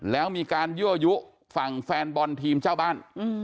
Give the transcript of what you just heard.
แล้วมีการยั่วยุฝั่งแฟนบอลทีมเจ้าบ้าน